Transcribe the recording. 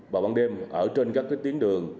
và bắn đêm ở trên các tiến đường